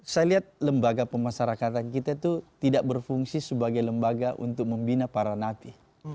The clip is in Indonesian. saya lihat lembaga pemasarakatan kita itu tidak berfungsi sebagai lembaga untuk membina para napi